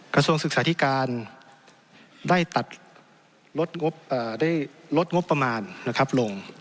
กระทรวงศึกษาธิการได้ลดงบประมาณนะครับลง